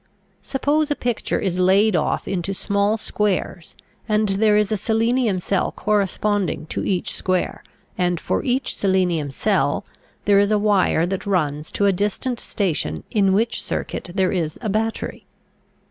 Suppose a picture is laid off into small squares and there is a selenium cell corresponding to each square and for each selenium cell there is a wire that runs to a distant station in which circuit there is a battery.